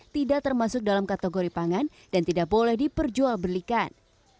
tidak termasuk dalam kategori pangan dan tidak boleh diperjualbelikan